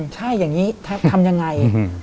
ใช่อย่างนี้ทำยังไง